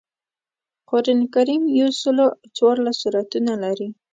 قران کریم یوسل او څوارلس سورتونه لري